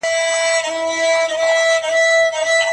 دا سړی ددې سپېڅلو جامو او ږیرې هیڅ لیاقت نه لري.